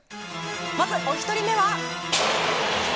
まずお一人目は。